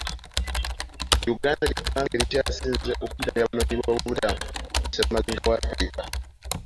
Uganda ly'eggwanga erikyasinze okubudamya Abanoonyi boobubudamu ku ssemazinga wa Africa.